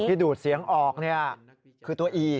พี่ดูดเสียงออกเนี่ยคือตัวอี